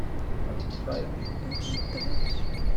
Have you tried rebooting it?